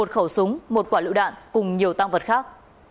một khẩu súng một quả lựu đạn cùng nhiều tăng vật khác